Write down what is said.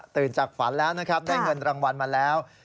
จากฝันแล้วนะครับได้เงินรางวัลมาแล้ว